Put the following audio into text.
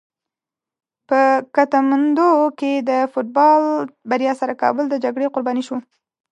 په کتمندو کې د فوټبال بریا سره کابل د جګړې قرباني شو.